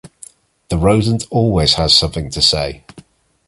The rodent always has something to say.